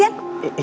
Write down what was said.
sampai jumpa lagi